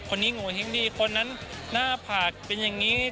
คนนี้หูหัวแห้งดีคนนั้นหน้าผากเป็นอย่างนี้